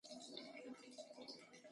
کومه لوبه خوښوئ؟